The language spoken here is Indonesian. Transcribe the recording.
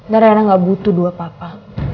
dan rena gak butuh dua papa